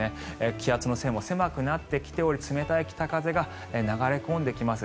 気圧の線も狭くなってきており冷たい北風が流れ込んできます。